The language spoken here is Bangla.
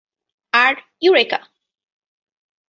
আর, ইউরেকা!